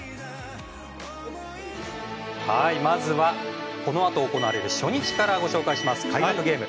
まずはこのあと行われる初日から開幕ゲーム